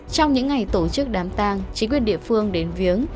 trong những ngày tổ chức đám tàng chính quyền địa phương đến viếng